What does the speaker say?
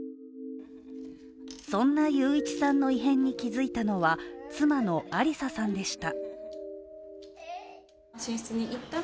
そんな勇一さんの異変に気づいたのは妻の有咲さんでした。